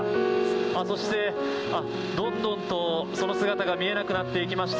そしてどんどんとその姿が見えなくなっていきました。